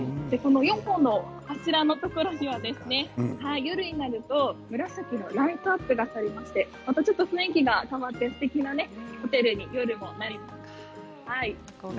４本の柱のところには夜になると紫のライトアップがされまして雰囲気が変わってすてきなホテルに夜もなります。